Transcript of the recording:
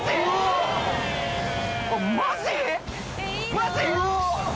マジ？